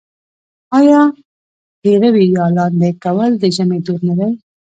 آیا پېروی یا لاندی کول د ژمي دود نه دی؟